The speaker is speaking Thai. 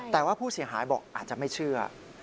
แต่ว่าผู้เสียหายบอกอาจจะไม่เชื่อ